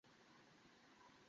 এর পিছনে বড় কারো হাত রয়েছে।